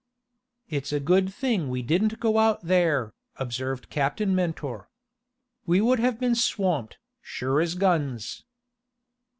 "It's a good thing we didn't go out there," observed Captain Mentor. "We would have been swamped, sure as guns."